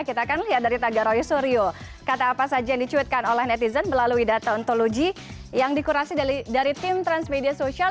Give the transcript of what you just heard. kita akan lihat dari tagar roy suryo kata apa saja yang dicuitkan oleh netizen melalui data ontologi yang dikurasi dari tim transmedia sosial